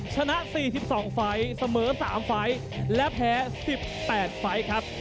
ชนะสี่สิบสองไฟเสมอสามไฟและแพ้สิบแปดไฟครับ